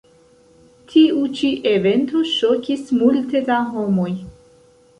Tiu ĉi evento ŝokis multe da homoj.